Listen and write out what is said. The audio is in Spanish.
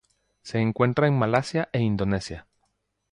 Se encuentra en Malasia e Indonesia.